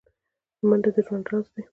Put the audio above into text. منډه د ژوند راز دی